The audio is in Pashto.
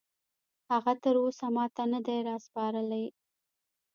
هغه تراوسه ماته نه دي راسپارلي.